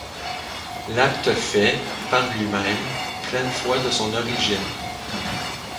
L'acte fait, par lui-même, pleine foi de son origine.